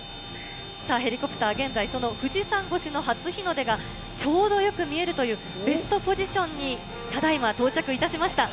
さあ、ヘリコプター現在、その富士山越しの初日の出がちょうどよく見えるというベストポジションにただいま、到着いたしました。